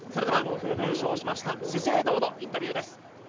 優勝しました資生堂のインタビューです。